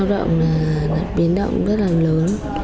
lao động là biến động rất là lớn